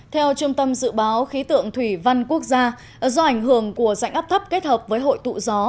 theo trung tâm dự báo khí tượng thủy văn quốc gia do ảnh hưởng của dạnh áp thấp kết hợp với hội tụ gió